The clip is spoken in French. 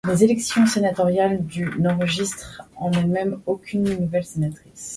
Les élections sénatoriales du n'enregistrent en elles-mêmes aucune nouvelle sénatrice.